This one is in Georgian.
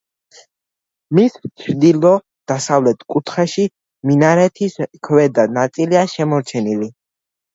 მის ჩრდილო-დასავლეთ კუთხეში მინარეთის ქვედა ნაწილია შემორჩენილი.